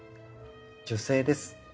女性です。